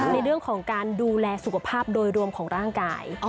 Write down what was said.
ในเรื่องของการดูแลสุขภาพโดยรวมของร่างกาย